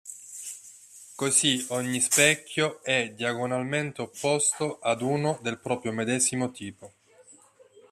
Così ogni specchio è diagonalmente opposto ad uno del proprio medesimo tipo.